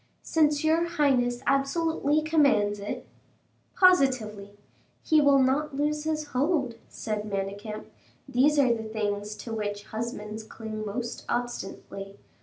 "Since your highness absolutely commands it." "Positively." "He will not lose his hold," said Manicamp; "these are the things to which husbands cling most obstinately.